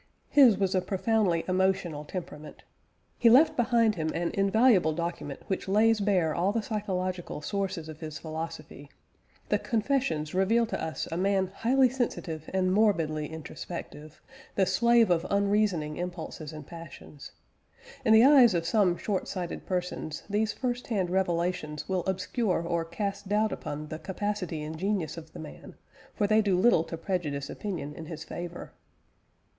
His was a profoundly emotional temperament. He left behind him an invaluable document which lays bare all the psychological sources of his philosophy. The Confessions reveal to us a man highly sensitive and morbidly introspective, the slave of unreasoning impulses and passions. In the eyes of some short sighted persons, these first hand revelations will obscure or cast doubt upon the capacity and genius of the man, for they do little to prejudice opinion in his favour.